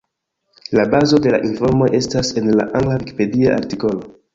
La bazo de la informoj estas en la angla vikipedia artikolo.